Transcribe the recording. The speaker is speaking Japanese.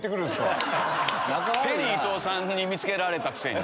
テリー伊藤さんに見つけられたくせに！